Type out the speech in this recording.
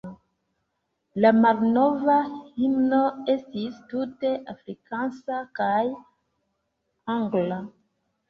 La malnova himno estis tute afrikansa kaj angla.